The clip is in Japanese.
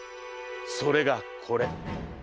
それがこれ。